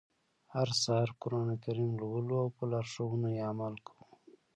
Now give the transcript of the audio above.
هر سهار قرآن کریم لولو او په لارښوونو يې عمل کوو.